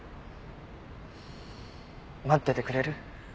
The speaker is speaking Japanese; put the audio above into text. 待っててくれる？